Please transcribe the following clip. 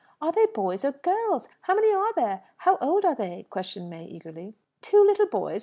"Are they boys or girls? How many are there? How old are they?" questioned May eagerly. "Two little boys.